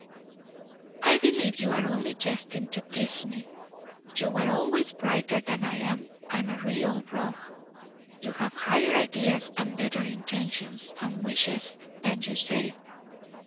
"I believe you are only jesting, to tease me. You were always brighter than I am, and a real rogue. You have higher ideas and better intentions and wishes than you say."